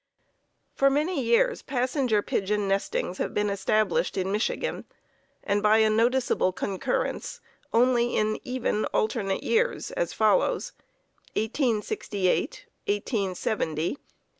For many years Passenger Pigeon nestings have been established in Michigan, and by a noticeable concurrence, only in even alternate years, as follows: 1868, 1870, 1872, 1874, 1876, 1878.